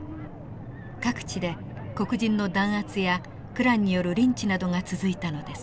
各地で黒人の弾圧やクランによるリンチなどが続いたのです。